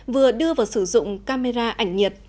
vừa đưa vào sử dụng camera ảnh nhiệt